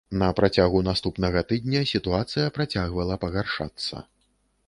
На працягу наступнага тыдня сітуацыя працягвала пагаршацца.